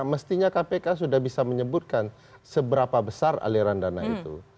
mestinya kpk sudah bisa menyebutkan seberapa besar aliran dana itu